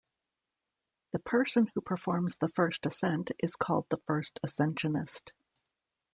The person who performs the first ascent is called the first ascensionist.